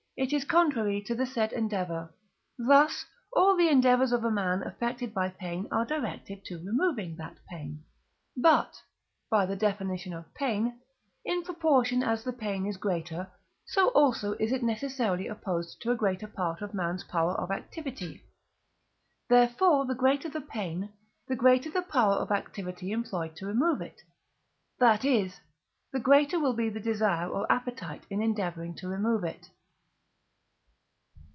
it is contrary to the said endeavour: thus all the endeavours of a man affected by pain are directed to removing that pain. But (by the definition of pain), in proportion as the pain is greater, so also is it necessarily opposed to a greater part of man's power of activity; therefore the greater the pain, the greater the power of activity employed to remove it; that is, the greater will be the desire or appetite in endeavouring to remove it.